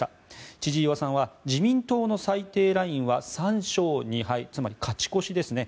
千々岩さんは自民党の最低ラインは３勝２敗つまり勝ち越しですね。